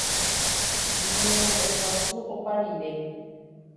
Ñembo'eguasu opa rire